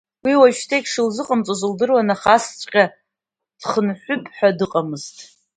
Уи уажәшьҭа егьшылзыҟамҵоз лдыруан, аха асҵәҟьа дыхәнаҵәап ҳәа дыҟамызт.